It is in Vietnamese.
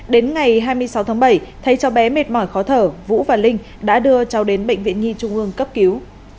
đến ngày hai mươi sáu tháng bảy thấy cháu bé mệt mỏi khó thở vũ và linh đã đưa cháu đến bệnh viện nhi trung ương cấp cứu